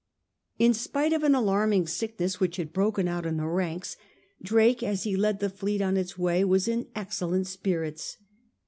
In spite of an alarming sickness which had broken out in the ranks, Drake as he led the fleet on its way was in excellent spirits.